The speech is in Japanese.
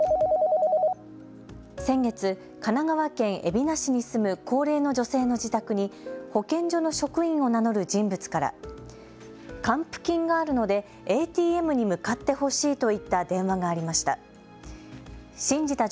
先月、神奈川県海老名市に住む高齢の女性の自宅に保健所の職員を名乗る人物から還付金があるのでＡＴＭに向かってほしいといった電話がありました。